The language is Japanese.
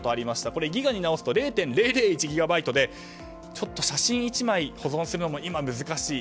これギガに直すと０．００１ギガバイトでちょっと写真１枚保存するのも今、難しい。